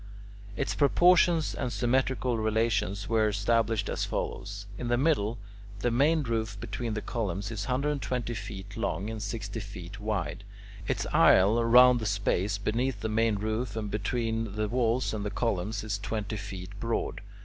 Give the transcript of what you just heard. Its proportions and symmetrical relations were established as follows. In the middle, the main roof between the columns is 120 feet long and sixty feet wide. Its aisle round the space beneath the main roof and between the walls and the columns is twenty feet broad.